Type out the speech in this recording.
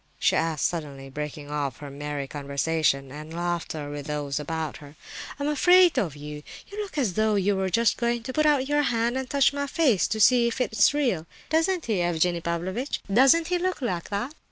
she asked suddenly, breaking off her merry conversation and laughter with those about her. "I'm afraid of you! You look as though you were just going to put out your hand and touch my face to see if it's real! Doesn't he, Evgenie Pavlovitch—doesn't he look like that?"